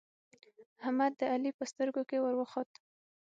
احمد د علی په سترګو کې ور وخوت